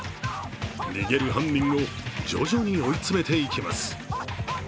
逃げる犯人を徐々に追い詰めていきます。